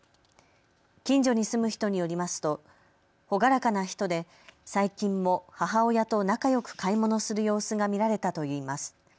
近所に住む人によりますと朗らかな人で最近も母親と仲よく買い物する様子が見られたといいます。